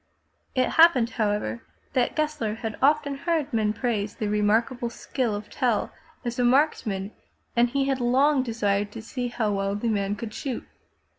It happened, however, that Gessler had often heard men praise the remarkable skill of Tell as a marksman and he had long desired to see how well the man could shoot.